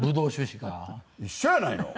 一緒やないの！